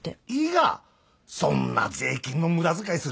そんな税金の無駄遣いする